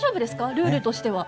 ルールとしては。